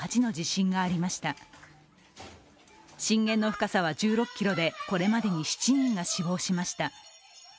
震源の深さは１６ｋｍでこれまでに７人が死亡しました。